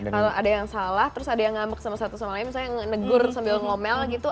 kalau ada yang salah terus ada yang ngambek sama satu sama lain misalnya yang negur sambil ngomel gitu